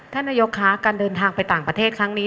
ท่านนายกคะการเดินทางไปต่างประเทศครั้งนี้